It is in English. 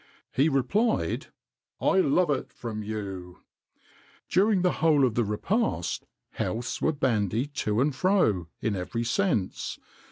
He replied: 'I love it from you!'[XXIX 112] During the whole of the repast, healths were bandied to and fro, in every sense.